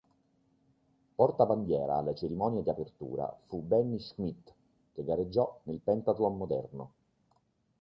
Portabandiera alla cerimonia di apertura fu Benny Schmidt, che gareggiò nel Pentathlon moderno.